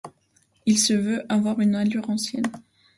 Il se veut avoir une allure ancienne.